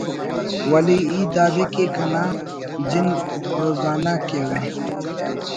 ولے ہیت دادے کہ کنا جند روزانہ کیوہ